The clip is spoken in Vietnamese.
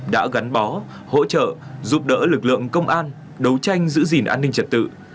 đã gắn bó hỗ trợ giúp đỡ lực lượng công an đấu tranh giữ gìn an ninh trật tự